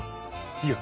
いいよ